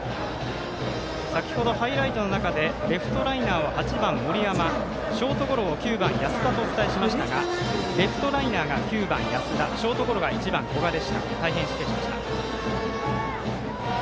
先ほどハイライトの中でレフトライナーを８番、森山ショートゴロを９番、安田とお伝えしましたがレフトライナーが９番、安田ショートゴロが１番、古賀でした。